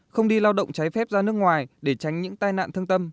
không đi lao động trái phép ra nước ngoài để tránh những tai nạn thương tâm